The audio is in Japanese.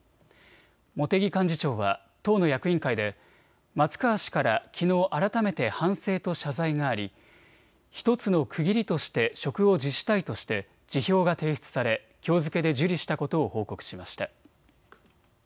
茂木幹事長は党の役員会で松川氏からきのう改めて反省と謝罪があり、１つの区切りとして職を辞したいとして辞表が提出されきょう付けで受理したことを報告しました。